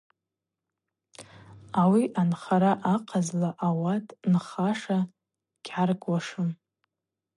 Ауи анхара ахъазла ауат нхаша гьгӏаргуашым.